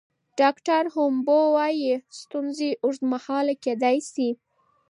ډاکټره هومبو وايي ستونزې اوږدمهاله کیدی شي.